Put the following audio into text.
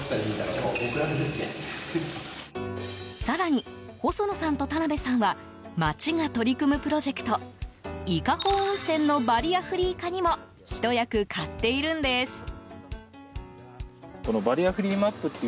更に、細野さんと田辺さんは街が取り組むプロジェクト伊香保温泉のバリアフリー化にもひと役買っているんです。